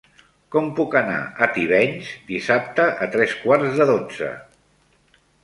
Com puc anar a Tivenys dissabte a tres quarts de dotze?